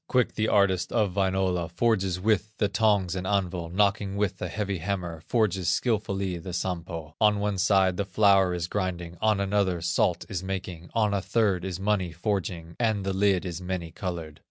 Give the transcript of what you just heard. Quick the artist of Wainola Forges with the tongs and anvil, Knocking with a heavy hammer, Forges skilfully the Sampo; On one side the flour is grinding, On another salt is making, On a third is money forging, And the lid is many colored.